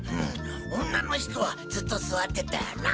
女の人はずっと座ってたよな。